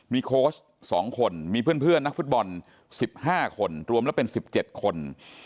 มีโค้ช๒คนมีเพื่อนนักฟุตบอล๑๕คนรวมแล้วเป็น๑๗คน